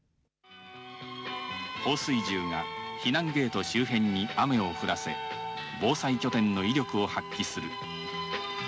放水銃が避難ゲート周辺に雨を降らせ、防災拠点の威力を発揮する。